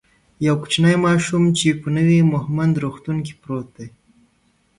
یو کوچنی ماشوم چی په نوی مهمند روغتون کی پروت دی